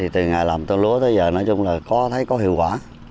từ ngày làm tôm lúa tới giờ nói chung là có thấy có hiệu quả